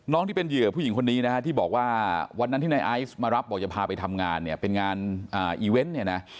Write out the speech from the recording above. น้องที่เป็นเหยื่อผู้หญิงคนนี้ที่บอกว่าวันนั้นที่นายไอซ์มารับบอกจะพาไปทำงานเป็นงานอีเวนต์